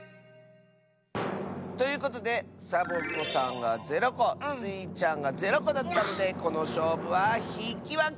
ということでサボ子さんが０こスイちゃんが０こだったのでこのしょうぶはひきわけ！